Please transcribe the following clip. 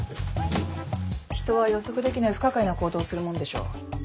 人は予測できない不可解な行動をするもんでしょ？